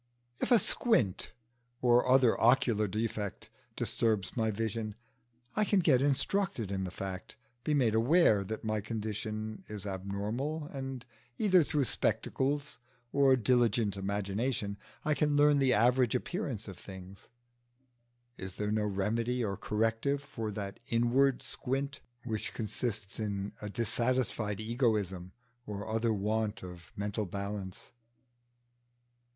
If a squint or other ocular defect disturbs my vision, I can get instructed in the fact, be made aware that my condition is abnormal, and either through spectacles or diligent imagination I can learn the average appearance of things: is there no remedy or corrective for that inward squint which consists in a dissatisfied egoism or other want of mental balance?